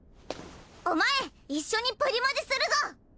お前一緒にプリマジするぞ！